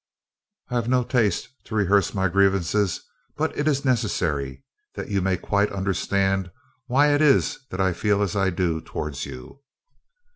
I have no taste to rehearse my grievances, but it is necessary, that you may quite understand why it is that I feel as I do towards you."